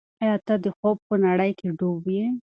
آیا ته د خوب په نړۍ کې ډوب یې؟